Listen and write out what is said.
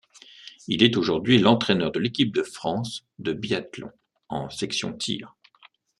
Il est aujourd'hui l’entraîneur de l’équipe de France de biathlon en section tir.